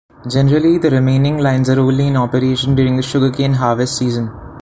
Generally the remaining lines are only in operation during the sugarcane harvest season.